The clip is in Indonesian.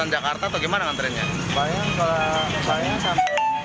jadi pengantar sampai perbatasan